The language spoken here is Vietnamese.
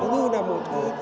như là một cái